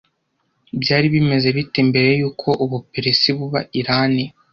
byari bimeze bite mbere yuko Ubuperesi buba Irani